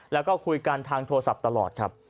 แล้วก็คุยกันทางโทรศัพท์ตลอดครับ